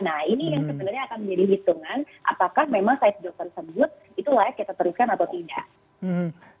nah ini yang sebenarnya akan menjadi hitungan apakah memang side job tersebut itu layak kita teruskan atau tidak